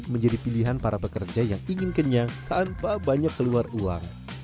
menjadi pilihan para pekerja yang ingin kenyang tanpa banyak keluar uang